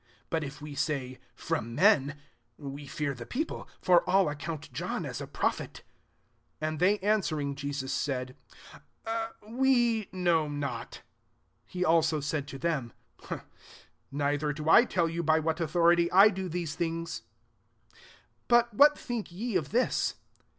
26 But if we say, fFrom men,' we fear the people : for all account John as a prophet." 27 And ^ey answering Jesus, said, We know not." He also said to them, "Neither do I tell you by what authority I do these things. 28 •* But what think ye of thi»